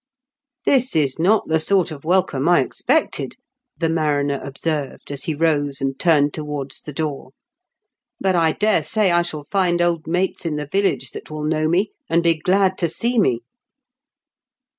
" This is not the sort of welcome I expected," the mariner observed, as he rose, and turned towards the door. "But I daresay I shall find old mates in the village that will know me, and be glad to see me."